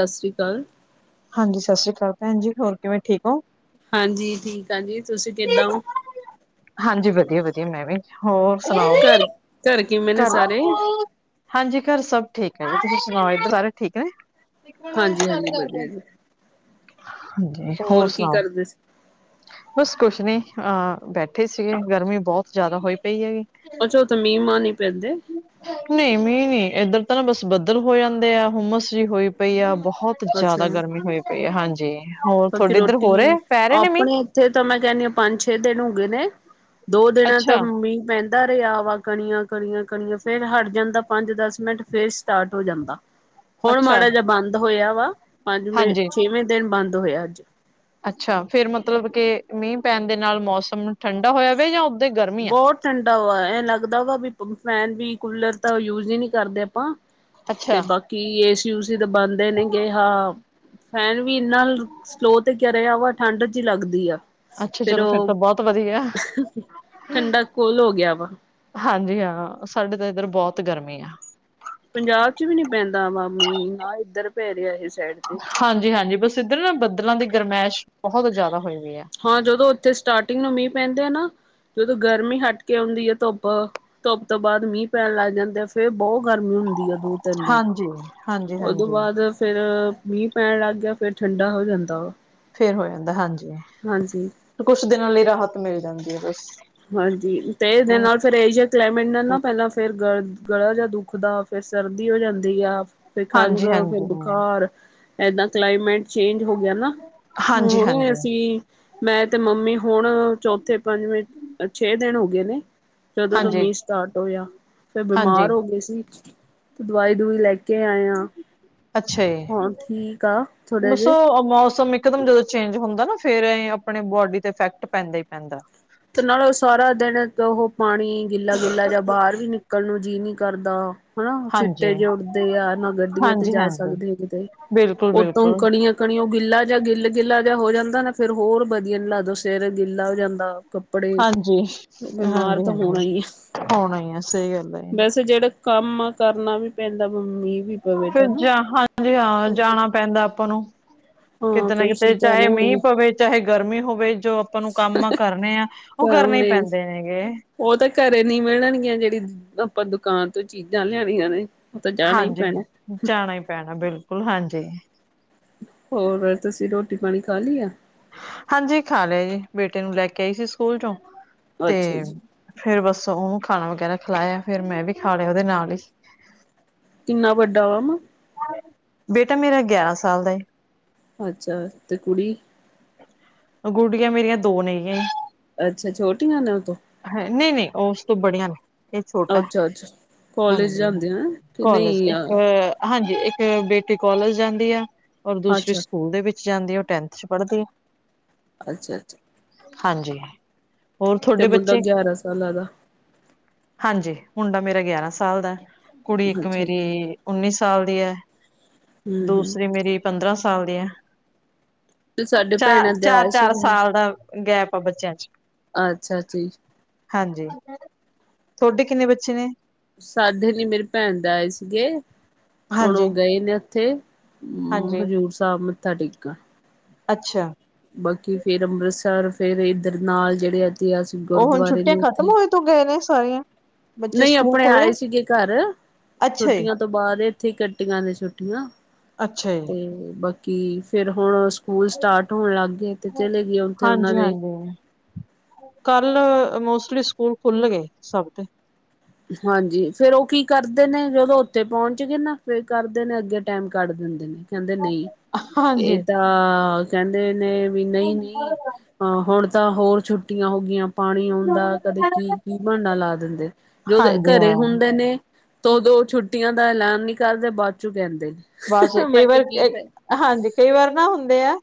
ਸਸ਼੍ਰੀ ਕਾਲ। ਹਾਂਜੀ, ਸਸ੍ਰੀ ਕਾਲ ਭੈਨ ਜੀ ਹੋਰ ਕਿਵੇਂ, ਠੀਕ ਓ? ਹਾਂਜੀ, ਠੀਕ ਆ ਜੀ, ਤੂਸੀ ਕਿੱਦਾਂ ਓ? ਹਾਂਜੀ, ਵਦੀਆ-ਵਦੀਆ ਮੈਂ ਵੀ ਹੋਰ ਸੁਨਾਓ ਘਰ ਘਰ ਕਿਵੇਂ ਨੇ ਸਾਰੇ [unintelligible] ਹਾਂਜੀ ਘਰ ਸਬ ਠੀਕ ਐ, ਜੀ ਤੂਸੀ ਸੁਨਾਓ, ਏਥੇ ਸਾਰੇ ਠੀਕ ਐ? ਹਾਂਜੀ ਹਾਂਜੀ ਵਧੀਆ [unintelligible] ਜੀ ਹਾਂਜੀ, ਹੋਰ ਸੁਨਾਓ? [inaudible] ਬਸ ਕੁੱਛ ਨੀ, ਅ ਬੈਠੇ ਸੀਗੇ, ਗਰਮੀ ਬੋਹਤ ਜਾਦਾ ਹੋਈ ਪਈ ਹੈਗੀ। ਅੱਛਾ ਓਥੇ ਮੀੰਹ-ਮਾੰਹ ਨੀ ਪੈਂਦੇ? ਨਹੀਂ ਮੀਂਹ ਨੀ, ਏਦੱਰ ਤਾਂ ਨਾ ਬੱਸ ਬੱਦਲ ਹੋ ਜਾਂਦੇ ਆ, ਹੁਮਸ ਜੀ ਹੋਈ ਪਈ ਆ ਬੋਹਤ ਤ ਅੱਛਾ ਜਾਦਾ ਗਰਮੀ ਹੋਈ ਪਈ ਆ ਹਾਂਜੀ, ਹੋਰ ਥੋਡੇ ਇੱਦਰ ਹੋ ਰਏ, ਪੈ ਰਏ ਨੇ ਮੀਂਹ? ਉੱਥੇ ਤਾਂ ਮੈਂ ਕੈਨੀ ਆ, ਪਾੰਜ-ਛੇ ਦਿਨ ਹੋ ਗਏ ਨੇ, ਦੋ ਦਿਨ ਤਾਂ ਅੱਛਾ ਮੀਂਹ ਪੈਨ ਦਾ ਰੇਆ ਵਾ ਕਣੀਆਂ, ਕਣੀਆਂ, ਕਣੀਆਂ ਫੇਰ ਹਾੱਟ ਜਾਂਦਾ ਪਾੰਜ-ਦਾੱਸ ਮਿੰਟ ਫੇਰ ਸਟਾਰਟ ਹੋ ਜਾਂਦਾ। ਹ ਹੁਣ ਮਾੜਾ ਜਾ ਬਾੰਦ ਹੋਏਆ ਵਾ, ਪਾੰਜਵੇਂ, ਹਾਂਜੀ ਛੇਵੇਂ ਦਿਨ ਬਾੰਦ ਹੋਏਆ ਅੱਜ। ਅੱਛਾ, ਫੇਰ ਮਤਲਬ ਕੇ ਮੀਂਹ ਪੈਨ ਦੇ ਨਾਲ ਮੌਸਮ ਠੰਡਾ ਹੋਏਆ ਵੇ ਯਾ ਓਦਾਂ ਈ ਗਰਮੀ ਆ? ਬਹੁਤ ਠੰਡਾ ਹੋਆ, ਐਂ ਲੱਗਦਾ ਵਾ ਵੀ ਪ ਫੈਨ ਵੀ, ਕੂਲਰ ਤਾਂ ਯੂਜ਼ ਈ ਨੀ ਕਰਦੇ ਆਪਾਂ ਤੇ ਅੱਛਾ, ਬਾਕੀ ਏਸੀ-ਊਸੀ ਤਾਂ ਬਾੰਦੇ ਨੇਗੇ, ਹਾ। ਫੈਨ ਵੀ ਇੰਨਾ ਸਲੋਅ ਤੇ ਕਰਿਆ ਵਾ ਠੰਢ ਜੀ ਲੱਗਦੀ ਆ। ਅੱਛਾ ਚਲੋ ਫੇਰ ਤਾਂ ਬਹੁਤ ਵਧੀਆ ਠੰਡਾ ਕੂਲ ਹੋ ਗਿਆ ਵਾ। ਹਾਂਜੀ ਹਾਂ ਸਾਡੇ ਤਾਂ ਇੱਧਰ ਬਹੁਤ ਗਰਮੀ ਆ ਪੰਜਾਬ ਚ ਵੀ ਨੀ ਪੈਂਦਾ ਮਾ ਮੀਂਹ ਹਾਂ ਇੱਧਰ ਪੈ ਰਿਹਾ ਇਹ ਸਾਈਡ ਤੇ ਹਾਂਜੀ- ਹਾਂਜੀ ਬਸ ਇੱਧਰ ਨਾ ਬੱਦਲਾਂ ਦੀ ਗਰਮੈਸ਼ ਬਹੁਤ ਜ਼ਿਆਦਾ ਹੋਈ ਵੀ ਆ ਹਾਂ ਜਦੋਂ ਉੱਥੇ ਸਟਾਰਟਿੰਗ ਨੂੰ ਮੀਂਹ ਪੈਂਦੇ ਆ ਨਾ ਜਦੋਂ ਗਰਮੀ ਹਟ ਕੇ ਆਉਂਦੀ ਆ ਧੁੱਪ ਧੁੱਪ ਤੋਂ ਬਾਅਦ ਮੀਂਹ ਪੈਣ ਲੱਗ ਜਾਂਦੇ ਆ ਫੇਰ ਬਹੁਤ ਗਰਮੀ ਹੁੰਦੀ ਆ ਦੂਰ ਤਿੰਨ ਦਿਨ ਹਾਂਜੀ, ਹਾਂਜੀ ਉਹਦੋਂ ਹਾਂਜੀ ਬਾਅਦ ਫੇਰ ਮੀਂਹ ਪੈਣ ਲੱਗ ਗਿਆ ਫੇਰ ਠੰਡਾ ਹੋ ਜਾਂਦਾ ਵ ਫੇਰ ਹੋ ਜਾਂਦਾ ਹਾਂਜੀ- ਹਾਂਜੀ- ਕੁਛ ਦਿਨਾਂ ਲਈ ਰਾਹਤ ਮਿਲ ਜਾਂਦੀ ਹੈ ਬਸ- ਹਾਂਜੀ ਤੇ ਇਹਦੇ ਨਾਲ ਫਿਰ ਇਹ ਜਿਹਾ ਕਲਾਈਮੇਟ ਨਾਲ ਨਾ ਪਹਿਲਾਂ ਫੇਰ ਗ ਗਲਾ ਜਿਹਾ ਦੁੱਖ ਦਾ- ਫਿਰ ਸਰਦੀ ਹੋ ਜਾਂਦੀ ਆ। ਫਿਰ ਖੰਘ ਹਾਂਜੀ ਫਿਰ ਹਾਂਜੀ, ਬੁਖਾਰ, ਏਦਾਂ ਕਲਾਈਮੇਟ ਚੇਂਜ ਹੋ ਗਿਆ ਨਾ। ਹਾਂਜੀ ਹੁਣ ਹਾਂਜੀ, ਅਸੀਂ ਮੈਂ ਤੇ ਮੰਮੀ ਹੁਣ ਚੌਥੇ ਪੰਜਵੇਂ ਛੇ ਦਿਨ ਹੋ ਗਏ ਨੇ ਜਦੋਂ ਤਾਂ ਹਾਂਜੀ ਮੀਂਹ ਸਟਾਰਟ ਹੋਇਆ, ਫਿਰ ਹਾਂਜੀ। ਬਿਮਾਰ ਹੋ ਗਏ ਸੀ। ਦਵਾਈ-ਦਵੁਈ ਲੈ ਕੇ ਆਏ ਆ। ਅੱਛਾ ਜੀ, ਹੁਣ ਠੀਕ ਆ ਥੋੜੇ ਦੱਸੋ ਜਿਹੇ ਮੌਸਮ ਇੱਕ ਇਕਦਮ ਜਦੋਂ ਚੇਂਜ ਹੁੰਦਾ ਨਾ ਫੇਰ ਇਹ ਆਪਣੇ ਬੋਡੀ ਤੇ ਇਫੈਕਟ ਪੈਂਦਾ ਹੀ ਪੈਂਦਾ ਤੇ ਨਾਲ ਉਹ ਸਾਰਾ ਦਿਨ ਉਹ ਪਾਣੀ ਗਿੱਲਾ ਗਿੱਲਾ ਜਿਹਾ ਬਾਹਰ ਵੀ ਨਿਕਲਣ ਨੂੰ ਜੀਅ ਨੀ ਕਰਦਾ ਹਨਾ ਛਿਟੇ ਹਾਂਜੀ ਜੇ ਉੱਡਦੇ ਆ ਨਾ ਗੱਡੀਆਂ ਤੇ ਹਾਂਜੀ ਜਾ ਹਾਂਜੀ ਸਕਦੇ ਆ ਕਿਤੇ ਬਿਲਕੁਲ ਬਿਲਕੁਲ ਉੱਤੋਂ ਕਨੀਆਂ ਕਣੀ ਉਹ ਗਿੱਲਾ ਜਿਹਾ ਗਿੱਲ ਗਿੱਲਾ ਜਿਹਾ ਹੋ ਜਾਂਦਾ ਨਾ ਫੇਰ ਹੋਰ ਵਧੀਆ ਨਹੀਂ ਲੱਗਦਾ ਸਿਰ ਗਿੱਲਾ ਹੋ ਜਾਂਦਾ। ਕੱਪੜੇ ਹਾਂਜੀ ਬਿਮਾਰ ਹਾਂਜੀ ਤਾਂ ਹਾਂਜੀ ਹੋਣਾ ਹੀ ਆ ਹੋਣਾ ਹੀ ਆ ਸਹੀ ਗੱਲ ਹੈ ਵੈਸੇ ਜਿਹੜਾ ਕੰਮ ਆ ਕਰਨਾ ਵੀ ਪੈਂਦਾ ਮੰਮੀ ਵੀ ਪਵੇ ਫਿਰ ਤਾਂ ਨਾ ਜਾ ਹਾਂਜੀ ਹਾਂ ਜਾਣਾ ਪੈਂਦਾ ਆਪਾਂ ਨੂੰ। ਹਾਂ ਕਿਤੇ ਨਾ ਕਈ ਕਿਤੇ ਚੀਜ਼ਾਂ ਚਾਹੇ ਮੀਂਹ ਲਿਆਉਣੀਆਂ ਪਵੇ, ਚਾਹੇ ਗਰਮੀ ਹੋਵੇ, ਜੋ ਆਪਾਂ ਨੂੰ ਕੰਮ ਆ ਕਾਰਨੇ ਆ ਉਹ ਕਰਨੇ ਈ ਲਿਆਉਣੇ ਪੈਂਦੇ ਨੇ ਗੇ। ਉਹ ਤਾਂ ਘਰੇ ਨੀ ਮਿਲਣਗੀਆਂ ਜਿਹੜੀ ਆਪਾਂ ਦੁਕਾਨ ਤੋਂ ਚੀਜ਼ਾਂ ਲੈਣੀਆਂ ਨੇ। ਉਹ ਤਾਂ ਜਾਣਾ ਹੀ ਹਾਂਜੀ ਪੈਣਾ ਜਾਣਾ ਈ ਪੈਣਾ ਬਿਲਕੁਲ ਹਾਂਜੀ। ਹੋਰ ਤੁਸੀਂ ਰੋਟੀ ਪਾਣੀ ਖਾ ਲਈ ਆ? ਹਾਂਜੀ ਖਾ ਲਿਆ ਜੀ ਬੇਟੇ ਨੂੰ ਲੈ ਕੇ ਆਈ ਸੀ ਸਕੂਲ ਚੋਂ ਤੇ ਅੱਛਾ ਜੀ ਫੇਰ ਬਸ ਉਹਨੂੰ ਖਾਣਾ ਵਗੈਰਾ ਖਿਲਾਇਆ ਫੇਰ ਮੈਂ ਵੀ ਖਾ ਲਿਆ ਉਹਦੇ ਨਾਲ ਈ। ਕਿੰਨਾ ਵੱਡਾ ਓਮ ਬੇਟਾ ਮੇਰਾ ਗਿਆਰਾਂ ਸਾਲ ਦਾ ਏ। ਅੱਛਾ, ਤੇ ਕੁੜੀ? ਗੁੜੀਆਂ ਮੇਰੀਆਂ ਦੋ ਨੇ ਗੀਆ ਜੀ। ਅੱਛਾ ਛੋਟੀਆਂ ਨੇ ਉਹ ਤੋਂ ਹੈ ਨਹੀਂ ਨਹੀਂ ਉਸ ਤੋਂ ਬੜੀਆਂ ਨੇ ਏਹ ਛੋਟਾ ਐ। ਅੱਛਾ ਅੱਛਾ ਕੋਲਜ ਹਾਂਜੀ ਜਾਂਦੇ ਆ ਕਿ ਕੋਲਜ ਨਹੀਂ ਇੱਕ ਹਾਂਜੀ ਇੱਕ ਬੇਟੀ ਕੋਲਜ ਜਾਂਦੀ ਆ ਔਰ ਦੂਸਰੀ ਅੱਛਾ ਸਕੂਲ ਦੇ ਵਿੱਚ ਜਾਂਦੀ ਐ ਉਹ ਟੈਂਨਥ ਚ ਪੜ੍ਹਦੀ ਆ। ਅੱਛਾ-ਅੱਛਾ। ਹਾਂਜੀ ਹੋਰ ਤੇ ਥੋਡੇ ਮੁੰਡਾ ਬੱਚੇ ਗਿਆਰਾਂ ਸਾਲਾਂ ਦਾ ਹਾਂਜੀ ਮੁੰਡਾ ਮੇਰਾ ਗਿਆਰਾਂ ਸਾਲ ਦਾ ਏ ਕੁੜੀ ਇੱਕ ਅੱਛਾ ਮੇਰੀ ਉੱਨੀ ਸਾ ਸਾਲ ਦੀ ਐ, ਹਮ ਹਮ ਦੂਸਰੀ ਮੇਰੀ ਪੰਦਰਾਂ ਸਾਲ ਦੀ ਐ। ਤੇ ਸਾਡੇ ਚਾ ਭੈਣਾਂ ਦੇ ਆਏ ਚਾਰ-ਚਾਰ ਸੀਗੇ ਸਾਲ ਦਾ ਗੈਪ ਆ ਬੱਚਿਆਂ ਚ। ਅੱਛਾ ਜੀ। ਹਾਂਜੀ ਤੁਹਾਡੇ ਕਿੰਨੇ ਬੱਚੇ ਨੇ? ਸਾਡੇ ਨੀ, ਮੇਰੀ ਭੈਣ ਦੇ ਆਏ ਸੀਗੇ, ਹੁਣ ਹਾਂਜੀ ਉਹ ਗਏ ਨੇ ਉੱਥੇ ਹੂ ਹਾਂਜੀ ਹਜ਼ੂਰ ਸਾਹਿਬ ਮੱਥਾ ਟੇਕਣ। ਅੱਛਾ। ਬਾਕੀ ਫੇਰ ਅੰਮ੍ਰਿਤਸਰ, ਫੇਰ ਏਧਰ ਨਾਲ ਜਿਹੜੇ ਐਇਤਿਹਾਸੀਕ ਗੁਰਦੁਆਰੇ ਨੇ ਉੱਥੇ। ਤੂੰ ਗਏ ਨੇ ਸਾਰੀਆਂ ਬੱਚੇ ਨਹੀਂ ਸਕੂਲ ਆਪਣੇ ਖੁੱਲ ਗਏ ਆਏ ਸੀਗੇ ਘਰ, ਅੱਛਾ ਜੀ ਛੁੱਟੀਆਂ ਤੋਂ ਬਾਅਦ ਇੱਥੇ ਈ ਕੱਟੀਆਂ ਨੇ ਛੁੱਟੀਆਂ। ਅੱਛਾ ਜੀ। ਤੇ ਬਾਕੀ ਫੇਰ ਹੁਣ ਸਕੂਲ ਸਟਾਰਟ ਹੋਣ ਲਾਗ ਗਏ, ਤੇ ਚਲੇ ਗਏ ਉੱਥੇ ਉਹਨਾਂ ਦੇ ਹਾਂਜੀ-ਹਾਂਜੀ ਕੱਲ ਮੋਸਟਲੀ ਸਕੂਲ ਖੁੱਲ ਗਏ ਸਭ ਦੇ। ਹਾਂਜੀ ਫੇਰ ਉਹ ਕੀ ਕਰਦੇ ਨੇ, ਜਦੋਂ ਉੱਥੇ ਪਹੁੰਚ ਗਏ ਨਾ ਫੇਰ ਕਰਦੇ ਨੇ ਅੱਗੇ ਟਾਈਮ ਕੱਢ ਦਿੰਦੇ ਨੇ ਕਹਿੰਦੇ ਨਹੀਂ, ਹਾਂਜੀ। ਇਹ ਤਾਂ ਕਹਿੰਦੇ ਨੇ ਵੀ ਨਈ-ਨਈ ਹਾਂ ਹੁਣ ਤਾਂ ਹੋਰ ਛੁੱਟੀਆਂ ਹੋ ਗਈਆਂ, ਪਾਣੀ ਆਉਂਦਾ ਕਦੇ ਕੀ-ਕੀ ਬਹਾਨਾ ਲਾ ਦਿੰਦੇ ਜਦੋਂ ਏ ਹਾਂਜੀ ਘਰੇ ਹਾਂ, ਹੁੰਦੇ ਨੇ, ਤੋ ਉਦੋਂ ਛੁੱਟੀਆਂ ਦਾ ਐਲਾਨ ਨਹੀਂ ਕਰਦੇ ਬਾਅਚੋਂ ਕਹਿੰਦੇ ਨੇ। ਬਸ ਮੈਂ ਕਈ ਵਾਰ ਕਿਹਾ ਕੀ ਅ ਫਾਇਦਾ ਹਾਂਜੀ, ਕਈ ਵਾਰ ਨਾ ਹੁੰਦੇ ਆ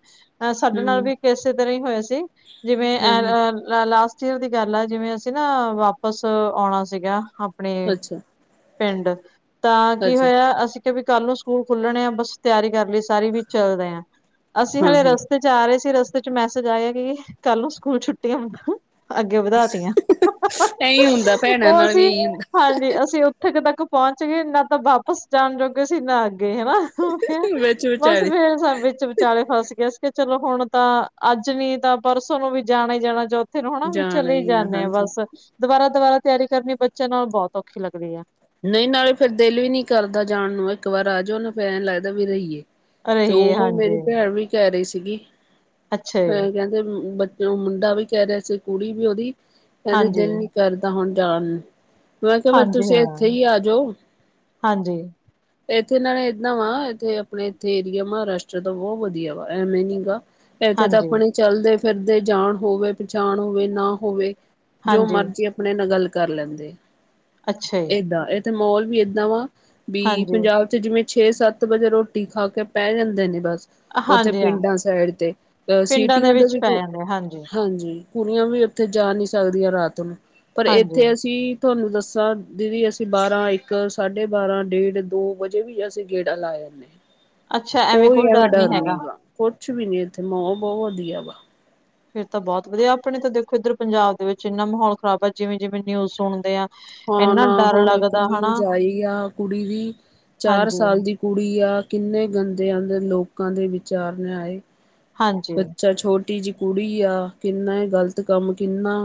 ਅ ਸਾਡੇ ਨਾਲ ਹਮ ਵੀ ਇਕ ਏਸੇ ਤਰ੍ਹਾਂਹ ਈ ਹੋਇਆ ਸੀ, ਜਿਵੇਂ ਆ ਹਾਂ ਲ ਲਾ ਲਾਸਟ ਚਿਰ ਦੀ ਗੱਲ ਐ, ਜਿਵੇਂ ਅਸੀਂ ਨਾ ਵਾਪਿਸ ਆਉਣਾ ਸੀਗਾ ਆਪਣੇ ਅੱਛਾ ਪਿੰਡ, ਤਾਂ ਕੀ ਅੱਛਾ ਹੋਇਆ ਅਸੀਂ ਕਿਹਾ ਵੀ ਕੱਲ ਨੂੰ ਸਕੂਲ ਖੁੱਲਣੇ ਆ, ਬਸ ਤਿਆਰੀ ਕਰਨੀ ਸਾਰੀ, ਵੀ ਚੱਲਦੇ ਆ, ਅਸੀਂ ਹਾਂ ਹਲੇ ਹਾਂ ਰਸ ਤੇ ਜਾ ਰਹੇ ਸੀ, ਰਸਤੇ ਚ ਮੈਸੇਜ ਆਇਆ ਕਿ ਕੱਲ ਨੂੰ ਸਕੂਲ ਛੁੱਟੀਆਂ ਅ ਅੱਗੇ ਵਧਾ ਤੀਆਂ ਇਹੀ ਹੁੰਦਾ ਭੈਣਾਂ ਉਹ ਨਾਲ ਵੀ ਅਸੀਂ ਇਹੀ ਹਾਂਜੀ ਅਸੀਂ ਉੱਥੇ ਕ ਤੱਕ ਪਹੁੰਚ ਗਏ, ਨਾ ਤਾਂ ਵਾਪਸ ਜਾਣ ਜੋਗੇ ਸੀਂ ਨਾ ਅੱਗੇ ਹਨਾ ਹੁੰਦਾ ਵਿੱਚ ਬਸ ਵਿਚਾਲੇ ਫੇਰ ਸਭ ਵਿੱਚ ਵਿਚਾਲੇ ਫਸ ਅਸੀਂ ਕਿਹਾ ਵੀ ਚਲੋ ਹੁਣ ਤਾਂ ਅੱਜ ਨੀ ਤਾਂ ਪਰਸੋਂ ਨੂੰ ਵੀ ਜਾਣਾ ਈ ਜਾਣਾ ਜੋ ਫੇਰ ਹੋਣਾ ਵੀ ਜਾਣਾ ਚਲੇ ਈ ਹੀ ਜਾਂਨੇ ਆ ਹਾਂਜੀ ਬਸ, ਦਬਾਰਾ-ਦਬਾਰਾ ਤਿਆਰੀ ਕਰਨੀ ਬੱਚਿਆਂ ਨਾਲ ਬਹੁਤ ਔਖੀ ਲੱਗਦੀ ਆ। ਨਈ ਨਾਲੇ ਫੇਰ ਦਿਲ ਵੀ ਨੀ ਕਰਦਾ ਜਾਣ ਨੂੰ, ਇੱਕ ਵਾਰ ਆਜੋ ਨਾ ਫੇਰ ਐਂ ਲੱਗਦਾ ਵੀ ਰਹੀਏ। 'ਤੇ ਰਹੀ ਉਹ ਹੈ ਮ ਮੇਰੀ ਹਾਂਜੀ ਭੈਣ ਵੀ ਕਹਿ ਰਹੀ ਸੀਗੀ, ਅੱਛਾ ਜੀ ਮੈਂ ਕਹਿੰਦੇ ਬੱਚੇ ਨੂੰ ਮੁੰਡਾ ਵੀ ਕਹਿ ਰਿਹਾ ਸੀ ਕੁੜੀ ਵੀ ਉਹਦੀ ਕਹਿੰਦੇ ਹਾਂਜੀ ਦਿਲ ਨੀ ਕਰਦਾ ਹੁਣ ਜਾਣ ਨੂੰ, ਮੈਂ ਕਿਹਾ ਫੇਰ ਹਾਂਜੀ ਤੁਸੀਂ ਏ ਹਾਂ ਏਥੇ ਈ ਆਜੋ। ਹਾਂਜੀ ਇੱਥੇ ਨਾਲੇ ਨਵਾ, ਇੱਥੇ ਆਪਣੇ ਇੱਥੇ ਏਰੀਆ ਮਹਾਰਾਸ਼ਟਰ ਦਾ ਬਹੁਤ ਵਧੀਆ ਵਾ, ਐਵੇਂ ਨੀ ਗਾ ਇੱਥੇ ਤਾਂ ਹਾਂਜੀ ਆਪਣੇ ਚਲਦੇ-ਫਿਰਦੇ ਜਾਣ ਹੋਵੇ, ਪਛਾਣ ਹੋਵੇ ਨਾ ਹੋਵੇ ਜੋ ਹਾਂਜੀ, ਮਰਜ਼ੀ ਆਪਣੇ ਨਾਂਲ ਗੱਲ ਕਰ ਲੈਂਦੇ। ਅੱਛਾ ਈ। ਦਾ ਇਥੇ ਮਾਹੌਲ ਵੀ ਏਦਾਂ ਵਾ, ਵੀ ਹਾਂਜੀ, ਪੰਜਾਬ 'ਤੇ ਜਿਵੇਂ ਛੇ-ਸੱਤ ਵਜੇ ਰੋਟੀ ਖਾ ਕੇ ਪੈ ਜਾਂਦੇ ਨੇ ਬਸ ਉੱਥੇ ਹਾਂਜੀ ਹਾਂ, ਪਿੰਡਾਂ ਸਾਈਡ 'ਤੇ, ਅਹ ਪਿੰਡਾਂ ਦੇ ਸਿਟੀਆਂ ਦਾ ਵਿੱਚ ਵੀ ਪੈ ਕੋ, ਜਾਂਦੇ ਹਾਂਜੀ, ਹਾਂਜੀ। ਕੁੜੀਆਂ ਵੀ ਉੱਥੇ ਜਾ ਨੀ ਸਕਦੀਆਂ ਰਾਤ ਨੂੰ, ਪਰ ਹਾਂਜੀ, ਏਥੇ ਅਸੀਂ ਤੁਹਾਨੂੰ ਦੱਸਾਂ ਦੀਦੀ ਅਸੀਂ ਬਾਰਾਂਹ, ਇੱਕ, ਸਾਢੇ ਬਾਰਾਂਹ, ਡੇਢ ਦੋ ਵਜੇ ਵੀ ਅਸੀਂ ਗੇੜਾ ਲਾ ਆਨੇ ਆ। ਕੋਈ ਐਵੇਂ ਡਰ ਨੀ ਗਾ, ਕੁਛ ਵੀ ਨੀ, ਇੱਥੇ ਮਾਹੌਲ ਬਹੁਤ ਵਧੀਆ ਵਾ। ਫੇਰ ਤਾਂ ਬਹੁਤ ਵਧੀਆ, ਆਪਣੇ ਤਾਂ ਦੇਖੋ ਏਧਰ ਪੰਜਾਬ ਦੇ ਵਿੱਚ ਇੰਨਾ ਮਾਹੌਲ ਖ਼ਰਾਬ ਆ ਜਿਵੇਂ-ਜਿਵੇਂ ਨਿਊਜ਼ ਸੁਣਦੇ ਆ ਹਾਂ ਇੰਨਾ ਨਾ ਡਰ ਹੁਣ ਇੱਕ ਲੱਗਦਾ ਹਨਾ, ਨਿਊਜ਼ ਆਈ ਆ ਕੁੜੀ ਦੀ, ਚਾਰ ਹਾਂਜੀ, ਸਾਲ ਦੀ ਕੁੜੀ ਆਂ ਕਿੰਨੇ ਗੰਦੇ ਆਂਦੇ ਲੋਕਾਂ ਦੇ ਵਿਚਾਰ ਨੇ ਆਏ। ਹਾਂਜੀ। ਬੱਚਾ ਛੋਟੀ ਜੀ ਕੁੜੀ ਆ ਕਿੰਨਾ ਏ ਗ਼ਲਤ ਕੰਮ ਕਿੰਨਾ।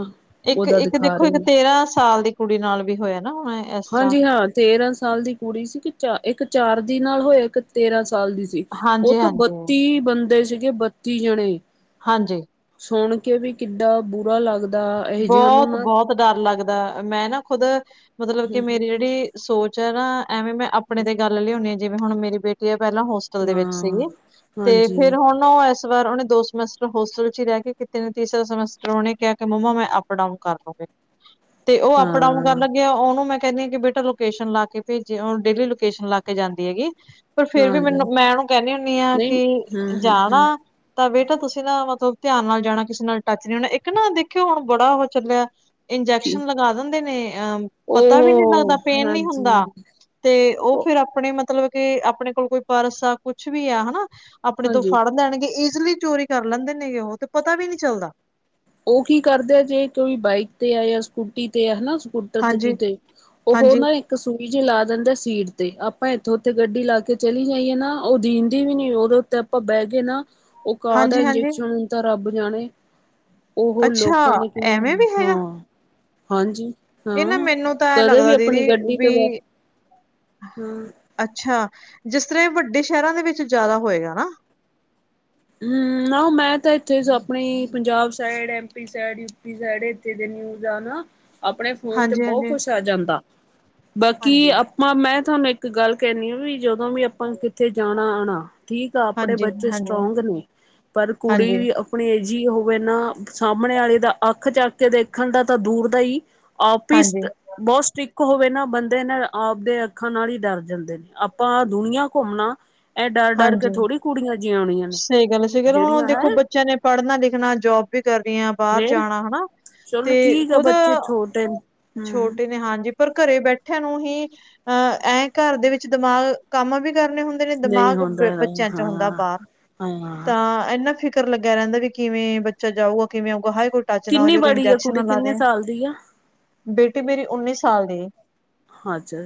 ਉਹਦਾ ਇੱਕ-ਇੱਕ ਦਿਖਾ ਦੇਖੋ ਰਹੇ ਇੱਕ ਨੇ ਤੇਰਾਂ ਸਾਲ ਦੀ ਕੁੜੀ ਨਾਲ ਵੀ ਹੋਇਆ ਨਾ ਹੁਣੇ। ਹਾਂਜੀ ਹਾਂ ਤੇਰਾਂ ਸਾਲ ਦੀ ਕੁੜੀ ਸੀ ਇੱਕ ਚਾ ਇੱਕ ਚਾਰ ਦੀ ਨਾਲ ਹੋਇਆ ਇੱਕ ਤੇਰਾਂ ਸਾਲ ਦੀ ਸੀ। ਉਹ ਹਾਂਜੀ, 'ਤੇ ਹਾਂਜੀ, ਬੱਤੀ ਬੰਦੇ ਸੀਗੇ ਬੱਤੀ ਜਣੇ। ਹਾਂਜੀ। ਸੁਣ ਕੇ ਵੀ ਕਿੱਡਾ ਬੁਰਾ ਲੱਗ ਬੋਤ-ਬੋਤ ਡਰ ਲੱਗਦਾ ਮੈਂ ਨਾ ਖੁਦ ਮਤਲਬ ਕਿ ਮੇਰੀ ਜਿਹੜੀ ਸੋਚ ਐ ਨਾ ਐਵੇਂ ਮੈਂ ਆਪਣੇ 'ਤੇ ਗੱਲ ਲਿਆਉਂਣੀ ਆ ਜਿਵੇ ਹੁਣ ਮੇਰੀ ਬੇਟੀ ਆ ਪਹਿਲਾਂ ਹੋਸ ਟਲ ਦੇ ਵਿੱਚ ਹਾਂ ਸੀਗੀ 'ਤੇ ਹਾਂਜੀ ਫੇਰ ਹੁਣ ਉਹ ਇਸ ਵਾਰ ਉਹਨੇ ਦੋ ਸਮੈਸਟਰ ਹੋਸਟਲ 'ਚ ਰੀ ਰਹਿ ਕੇ ਕੀਤੇ ਨੇ ਤੀਸਰਾ ਸਮੈਸਟਰ ਉਹਨੇ ਕਿਹਾ ਕੇ ਮੰਮਾ ਮੈਂ ਅਪ ਡਾਊਨ ਕਰ ਲੂਗੀ 'ਤੇ ਉਹ ਅਪ ਡਾਊਨ ਕਰ ਹਾਂ ਲੱਗੇ ਆ ਉਹਨੂੰ ਮੈਂ ਕਹਿੰਨੀ ਆ ਕਿ ਬੇ ਈ ਲੋਕੇਸ਼ਨ ਲਾ ਕੇ ਭੇਜੇ ਉਣ ਡੇਲੀ ਲੋਕੇਸ਼ਨ ਲਾ ਕੇ ਜਾਂਦੀ ਆਗੀ ਪਰ ਫੇਰ ਵੀ ਹਾਂਜੀ ਮੈਨੂੰ ਮੈਂ ਉਹਨੂੰ ਕਹਿੰਨੀ ਹੁੰਨੀ ਆ ਨਹੀਂ ਕਿ ਹੂੰ-ਹੂੰ-ਹੂੰ ਜਾਣਾ। ਤਾਂ ਬੇਟਾ ਤੁਸੀਂ ਨਾ ਮਤਲਬ ਧਿਆਨ ਨਾਲ ਜਾਣਾ ਕਿਸੇ ਨਾਲ ਟੱਚ ਨੀ ਹੋਣਾ ਇੱਕ ਨਾ ਦੇਖਿਓ ਹੁਣ ਬੜਾ ਉਹ ਚੱਲਿਆ ਕੀ ਇੰਜੈਕਸ਼ਨ ਲਗਾ ਦਿੰਦੇ ਨੇ ਅਹ ਪਤਾ ਵੀ ਨੀ ਉਹ ਲੱਗਦਾ ਪੇਨ ਨੀ ਹੁੰਦਾ। ਹਾਂਜੀ 'ਤੇ ਉਹ ਫੇਰ ਆਪਣੇ ਮਤਲਬ ਕੇ ਆਪਣੇ ਕੋਲ ਕੋਈ ਪਰਸ ਆ ਕੁਛ ਵੀ ਆ ਹਨਾ ਆਪਣੇ ਤੋਂ ਹਾਂਜੀ ਫੜ ਲੈਣਗੇ ਈਜ਼ਲੀ ਚੋਰੀ ਕਰ ਲੈਂਦੇ ਨੇਗੇ ਉਹ 'ਤੇ ਪਤਾ ਵੀ ਨੀ ਚੱਲਦਾ। ਉਹ ਕੀ ਕਰਦੇ ਆ ਜੇ ਕੋਈ ਬਾਈਕ 'ਤੇ ਆ ਜਾਂ ਸਕੂਟੀ 'ਤੇ ਆ ਹਨਾ ਜੀ। ਟੱਚ ਹਾਂਜੀ। ਕੀਤੇ 'ਤੇ ਫੇਰ ਹਾਂਜੀ, ਨਾ ਇ ਕ ਸੂਈ ਜੀ ਲਾ ਦਿੰਦੇ ਸੀਟ 'ਤੇ ਆਪਾਂ ਇੱਥੋਂ ਉੱਥੇ ਗੱਡੀ ਲਾ ਕੇ ਚਲੀ ਜਾਈਏ ਨਾ ਉਹ ਦੀਂਦੀ ਵੀ ਨੀ ਉਦੋਂ 'ਤੇ ਆਪਾਂ ਬਹਿ ਗਏ ਨਾ ਉਹ ਕਾਹ ਦਾ ਹਾਂਜੀ, ਹਾਂਜੀ। ਇੰਜੈਕਸ਼ਨ ਤਾਂ ਰੱਬ ਜਾਣੇ। ਉਹ ਅੱਛਾ, ਲੋਕਾਂ ਨੇ ਕਿਉ, ਐਵੇਂ ਵੀ ਹੈਗਾ? ਹਾਂ। ਹਾਂਜੀ ਇਹ ਨਾ ਹਾਂ ਮੈਨੂੰ ਤਾਂ ਐਂ ਕਦੇ ਵੀ ਲੱਗਦਾ ਦੀਦੀ ਆਪਣੀ ਗੱਡੀ 'ਤੇ ਬ ਵੀ ਹੂੰ। ਅੱਛਾ ਜਿਸ ਤਰਾਂ ਏ ਵੱਡੇ ਸ਼ਹਿਰਾਂ ਦੇ ਵਿੱਚ ਜ਼ਿਆਦਾ ਹੋਏਗਾ ਨਾ। ਹੂੰ ਨਾ ਮੈਂ ਤਾਂ ਇੱਥੇ ਸ ਆਪਣਾ ਈ Punjab side M P side, U P side ਇੱਥੇ ਦੇ ਨਿਊਜ਼ ਆ ਨਾ ਆਪਣੇ ਫੋਨ 'ਤੇ ਬਹੁ ਹਾਂਜੀ-ਹਾਂਜੀ। ਕੁਛ ਆ ਜਾਂਦਾ। ਬਾਕੀ ਹਾਂਜੀ। ਆਪਾਂ ਮੈਂ ਤੁਹਾਨੂੰ ਇੱਕ ਗੱਲ ਕਹਿੰਨੀ ਆ ਵੀ ਜਦੋਂ ਵੀ ਆਪਾਂ ਕਿੱਥੇ ਜਾਣਾ-ਆਣਾ। ਠੀਕ ਆ ਆਪਣੇ ਹਾਂਜੀ-ਹਾਂਜੀ, ਬੱਚੇ ਹਾਂਜੀ, ਸਟਰੋਂਗ ਨੇ ਪਰ ਕੁੜੀ ਹਾਂਜੀ, ਹਾਂਜੀ। ਵੀ ਆ ਅਪਣੇ ਏ ਜੀ ਹੋਵੇ ਨਾ ਸਾਹਮਣੇ ਆਲੇ ਦਾ ਅੱਖ ਚੱਕ ਕੇ ਦੇਖਣ ਦਾ ਤਾਂ ਦੂਰ ਦਾ ਈ ਆ ਹਾਂਜੀ, ਪਿਸਤ ਬੋਤ ਸਟ੍ਰਿਕ ਹੋਵੇ ਨਾ ਬੰਦੇ ਨਾ ਆਪਦੇ ਅੱਖਾਂ ਨਾਲ ਹੀ ਡਰ ਜਾਂਦੇ ਨੇ, ਆਪਾਂ ਦੁਨੀਆਂ ਘੁੰਮਣਾ। ਇਹ ਡਰ- ਡਰ ਕੇ ਹਾਂਜੀ। ਥੋੜੀ ਕੁੜੀਆਂ, ਜਿਉਣੀਆਂ ਨੇ ਸਹੀ ਗੱਲ ਹੈ ਸਹੀ ਗੱਲ ਹੁਣ ਜਿਹੜੀਆਂ ਹੈ ਦੇਖੋ ਬੱਚਿਆਂ ਨੇ ਪੜਨਾ ਲਿਖਣਾ ਜੋਬ ਵੀ ਕਰਨੀ ਆ। ਬਾਹਰ ਫੇਰ ਜਾਣਾ ਹਨਾ ਤੇ ਚਲੋ ਠੀਕ ਆ ਖੁਦ ਬੱਚੇ ਛੋਟੇ ਛੋਟੇ ਨੇ ਹਾਂਜੀ। ਫੇਰ ਘਰੇ ਬੈਠਿਆਂ ਨੂੰ ਹੀ ਅਹ ਐਂ ਘਰ ਦੇ ਵਿੱਚ ਦਿਮਾਗ ਕੰਮ ਵੀ ਕਰਨੇ ਹੁ- ਦੇ ਨੇ ਨਹੀਂ ਦਿਮਾਗ ਹੁੰਦਾ ਹੈਗਾ ਬੱਚਿਆਂ ਚ ਹੁੰਦਾ ਹਾਂ ਬਾਹਰ, ਹਾਂ ਤਾਂ। ਇੰਨਾ ਫਿਕਰ ਲੱਗਿਆ ਰਹਿੰਦਾ ਵੀ, ਕਿਵੇਂ ਬੱਚਾ ਜਾਊਗਾ ਕਿਵੇਂ ਆਊਗਾ ਹਾਈ ਕੋਈ। ਟੱਚ ਨਾ ਹੋ ਕਿੰਨੀ ਜੋ, ਕੋਈ ਬੜੀ ਆ ਇੰਜੈਕਸ਼ਨ ਨਾ ਕੁੜੀ ਲਾ ਦੇ, ਕਿੰਨੇ ਸਾਲ ਦੀ ਆ ਬੇਟੀ ਮੇਰੀ ਉੱਨੀ ਸਾਲ ਦੀ ਐ। ਅੱਛਾ,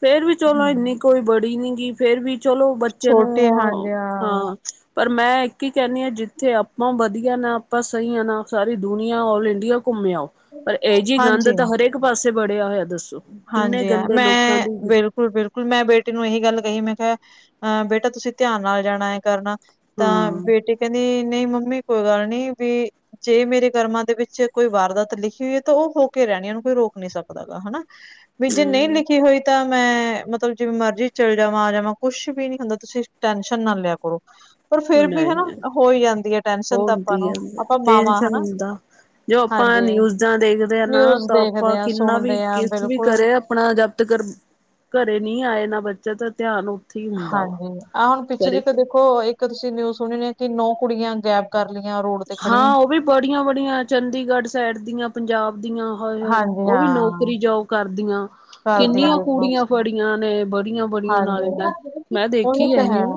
ਫੇਰ ਵੀ ਚਲੋ ਇੰਨੀ ਕੋਈ ਬੜੀ ਨੀਗੀ ਫੇਰ ਵੀ। ਚਲੋ ਬੱਚੇ ਨੂੰ, ਛੋਟੇ ਹਾਂਜੀ ਹਾਂ। ਪਰ ਮੈਂ ਇੱਕ ਹੀ ਕਹਿੰਦੀ ਹਾਂ, ਜਿੱਥੇ ਆਪਾਂ ਵਧੀਆ ਨਾ, ਆਪਾਂ ਸਹੀ ਆਂ ਨਾ ਸਾਰੀ ਦੁਨੀਆ ਆਲ ਇੰਡੀਆ। ਘੁੰਮੇ ਆਓ, ਪਰ ਇਹ ਜਿਹੀ ਗੰਧ ਹਾਂਜੀ। ਤਾਂ ਹਰੇਕ ਪਾਸੇ ਬੜਿਆ ਹੋਇਆ ਦੱਸੋ। ਕਿੰਨੇ ਗੰਦੇ ਲੋਕਾਂ ਦੀ- ਬਿਲਕੁਲ ਬਿਲਕੁਲ ਮੈਂ ਬੇਟੀ ਨੂੰ ਇਹੀ ਗੱਲ ਕਹੀਏ, ਮੈਂ ਕਿਹਾ ਬੇਟਾ ਤੁਸੀਂ ਧਿਆਨ ਨਾਲ ਜਾਣਾ ਐ ਕਰਨਾ। ਹਾਂ ਤਾਂ ਬੇਟੀ ਕਹਿੰਦੀ, ਨਹੀਂ ਮੰਮੀ ਕੋਈ ਗੱਲ ਨੀ ਵੀ। ਜੇ ਮੇਰੇ ਕਰਮਾਂ ਦੇ ਵਿੱਚ ਕੋਈ ਵਾਰਦਾਤ ਲਿਖੀ ਹੋਈ ਹੈ, ਤਾਂ ਉਹ ਹੋ ਕੇ ਰਹਿਣੀ ਆ, ਓਹ ਹੋ ਕੇ ਕੋਈ ਰੋਕ ਨੀ ਸਕਦਾ ਗਾ ਹਨਾ। ਵੀ ਜੇ ਨਹੀਂ ਲਿਖੀ। ਹਮ ਲਿਖੀ ਹੋਈ ਤਾਂ ਮੈਂ ਮਤਲਬ ਜਿਵੇਂ ਮਰਜ਼ੀ ਚੱਲੀ ਜਾਵਾਂ, ਆ ਜਾਵਾਂ ਕੁੱਛ ਵੀ ਨੀ ਹੁੰਦਾ, ਤੁਸੀਂ ਟੈਨਸ਼ਨ ਨਾ ਲਿਆ ਕਰੋ। ਪਰ ਫੇਰ ਵੀ ਹੈਨਾ ਨਹੀਂ ਹੋਈ ਜਾਂਦੀ ਹੈ ਉਹ ਟੈਨਸ਼ਨ ਤਾਂ ਆਪਾਂ ਹੁੰਦੀ ਹੈ ਨੂੰ, ਆਪਾਂ ਮਾਵਾਂ ਟੈਨਸ਼ਨ ਹਨਾ। ਹੁੰਦਾ ਜੋ ਆਪਾਂ ਹਾਂਜੀ, ਨਿਊਜ਼ਾਂ ਦੇਖਦੇ ਨਿਊਜ਼ ਦੇਖਦੇ ਆਂ, ਸੁਣਦੇ ਹਾਂ। ਕੁਛ ਵੀ ਕਰੇ, ਆਪਣਾ ਜਬ ਤੱਕ ਘਰੇ ਨਹੀਂ ਆਏ ਨਾ ਬੱਚਾ ਤਾਂ ਧਿਆਨ ਹੋ। ਹਾਂਜੀ, ਆਹ ਹੁਣ ਪਿੱਛੇ ਜੇਕਰ ਦੇਖੋ। ਉਹ ਇੱਕ ਤੁਸੀਂ ਨਿਊਜ਼ ਸੁਣੀ ਕਿ ਨੌ ਕੁੜੀਆਂ ਗਾਇਬ ਕਰ ਲਈਆਂ ਰੋਡ ਤੇ ਖੜੀਆਂ। ਹਾਂ ਉਹ ਵੀ ਬੜੀਆਂ ਬੜੀਆਂ ਚੰਡੀਗੜ੍ਹ ਸਾਈਡ ਦੀਆਂ, ਪੰਜਾਬ ਦੀਆਂ ਹਾਏ ਹਾਏ, ਹਾਂਜੀ ਉਹ ਵੀ ਹਾਂ, ਨੌਕਰੀ ਜੋਬ। ਜੌਬ ਕਰਦੀਆਂ ਕਰਦੀਆਂ ਕਿੰਨੀਆਂ ਦੇਖਲੋ ਕੁੜੀਆਂ ਫੜੀਆਂ ਨੇ ਬੜੀਆਂ। ਬੜੀਆਂ ਨਾਲੇ ਮੈਂ ਹਾਂਜੀ, ਮੈਂ ਉਹੀ ਦੇਖੀ ਤਾਂ ਇਹ ਹੈ। ਨਿਊ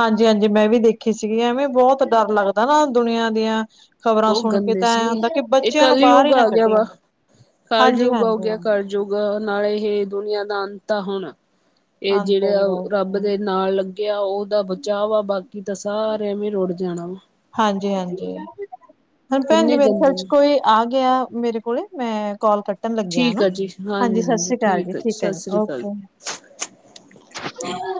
ਹਾਂਜੀ ਹਾਂਜੀ ਮੈਂ ਵੀ ਦੇਖੀ ਸੀਗੀ, ਐਵੇਂ ਬਹੁਤ ਡਰ ਲੱਗਦਾ ਨਾ ਦੁਨੀਆਂ ਦੀਆਂ। ਖ਼ਬਰਾਂ ਬਹੁਤ ਸੁਣ ਕੇ ਗੰਦੇ ਤਾਂ ਐ ਸੀ ਹੁੰਦਾ, ਕਿ ਇਹ ਬੱਚਿਆਂ ਕੱਲ ਨੂੰ ਬਾਹਰ ਹੀ ਯੁੱਗ ਨਾ ਆ ਗਿਆ ਕੱਢੀਏ ਵਾ ਹਾਂਜੀ ਹਾਂਜੀ। ਕਲ ਯੁੱਗ ਨਾਲੇ ਇਹ ਦੁਨੀਆਂ ਦਾ ਅੰਤ ਆ ਹੁਣ। ਇਹ ਅੰਤ ਜਿਹੜੇ ਜੀ ਆ, ਰੱਬ ਬਸ ਦੇ ਨਾਲ। ਗਿਆ ਉਹਦਾ ਬਚਾਵ ਆ, ਬਾਕੀ ਤਾਂ ਸਾਰਿਆਂ ਰੁੜ ਜਾਣਾ ਵਾ। ਹਾਂਜੀ ਹਾਂਜੀ, ਹਾਂ ਭੈਣ ਜੀ ਕਿੰਨੇ ਮੇਰੇ ਖਿਆਲ ਗੰਦੇ ਚ ਨੇ ਕੋਈ। ਆ ਗਿਆ ਮੇਰੇ ਕੋਲੇ, ਮੈਂ ਕਾਲ ਕੱਟ। ਕਟਣ ਲੱਗੀ ਆ ਠੀਕ ਨਾ, ਜੀ ਹਾਂਜੀ ਸਤਿ ਸ੍ਰੀ ਅਕਾਲ ਜੀ ਆ ਠੀਕ ਹੈ, ਸਤਿ ਜੀ ਸ੍ਰੀ ਅਕਾਲ ਓਕੇ। ਹਾਂ